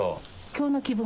今日の気分